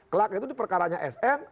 kelak itu diperkaranya sn